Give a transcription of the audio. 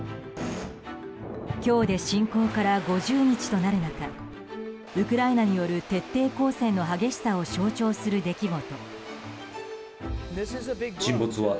今日で侵攻から５０日となる中ウクライナによる徹底抗戦の激しさを象徴する出来事。